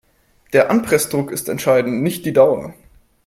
Der Anpressdruck ist entscheidend, nicht die Dauer.